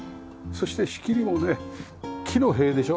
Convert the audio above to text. そして仕切りもね木の塀でしょ。